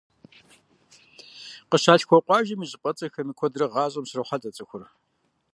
Къыщалъхуа къуажэм и щӀыпӀэцӀэхэми куэдрэ гъащӀэм щрохьэлӀэ цӀыхур.